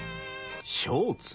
ショーツ？